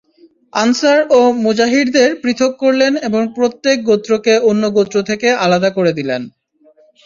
Answer ও মুহাজিরদের পৃথক করলেন এবং প্রত্যেক গোত্রকে অন্য গোত্র থেকে আলাদা করে দিলেন।